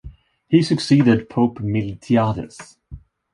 He succeeded Pope Miltiades.